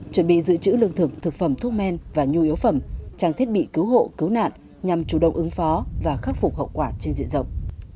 chuẩn bị giữ chữ lương thực thực phẩm thuốc men và nhu yếu phẩm trang thiết bị cứu hộ cứu nạn nhằm chủ động ứng phó và khắc phục hậu quả trên diện rộng